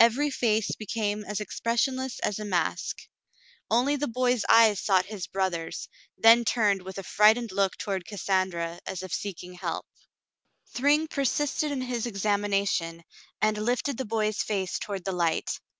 Every face became as expressionless as a mask ; only the 47 48 The Mountain Girl boy's eyes sought his brother's, then turned with a fright ened look toward Cassandra as if seeking help. Thryng persisted in his examination, and lifted the boy's face toward the light.